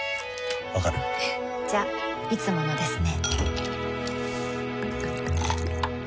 わかる？じゃいつものですね